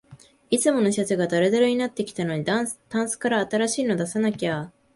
いつものシャツがだるだるになってきたので、タンスから新しいの出さなきゃ